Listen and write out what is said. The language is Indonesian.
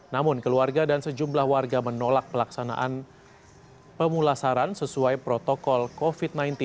namun keluarga dan sejumlah warga menolak pelaksanaan pemulasaran sesuai protokol covid sembilan belas